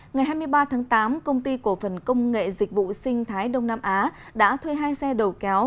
ngày hai mươi ba tháng tám công ty cổ phần công nghệ dịch vụ sinh thái đông nam á đã thuê hai xe đầu kéo